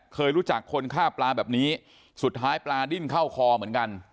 เคยรู้จักคนฆ่าปลาแบบนี้สุดท้ายปลาดิ้นเข้าคอเหมือนกัน